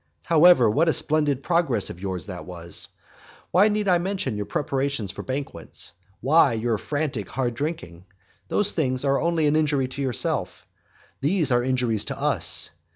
However, what a splendid progress of yours that was! Why need I mention your preparations for banquets, why your frantic hard drinking? Those things are only an injury to yourself; these are injuries to us.